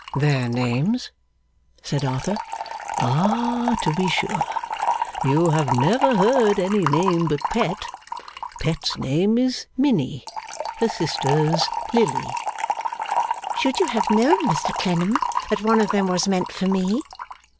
'Their names?' said Arthur. 'Ah, to be sure! You have never heard any name but Pet. Pet's name is Minnie; her sister's Lillie.' 'Should you have known, Mr Clennam, that one of them was meant for me?